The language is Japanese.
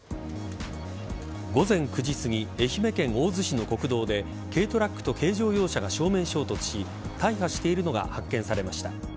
午前９時すぎ愛媛県大洲市の国道で軽トラックと軽乗用車が正面衝突し大破しているのが発見されました。